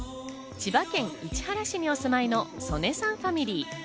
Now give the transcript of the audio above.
千葉県市原市にお住まいの曽根さんファミリー。